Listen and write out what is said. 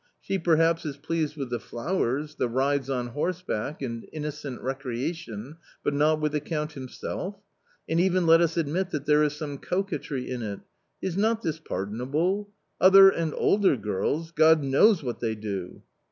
She perhaps is pleased with the flowers, the rides on horseback, and innocent recreation, but not with the Count himself ? And even let us admit that there is some coquetry in it ; is not this pardonable? Other and older girls — God knows what they do."